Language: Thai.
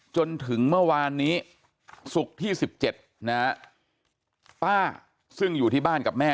จนถึงเมื่อวานนี้ศุกร์ที่๑๗นะฮะป้าซึ่งอยู่ที่บ้านกับแม่